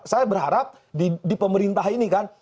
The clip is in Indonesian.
saya berharap di pemerintah ini kan